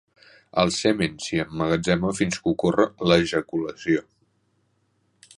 El semen s'hi emmagatzema fins que ocorre l'ejaculació.